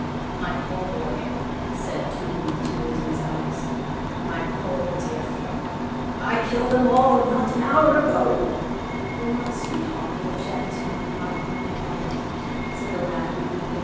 "My poor boy," said Tomb, with tears in his eyes, "my poor, dear fellow, I killed them all not an hour ago." "Then my sweetheart would object to my becoming a Pirate," said the lad, weeping.